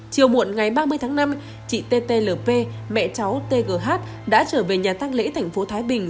chiều muộn ngày ba mươi tháng năm chị ttlp mẹ cháu tgh đã trở về nhà tăng lễ thành phố thái bình